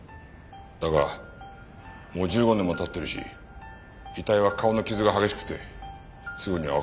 だがもう１５年も経ってるし遺体は顔の傷が激しくてすぐにはわからなかった。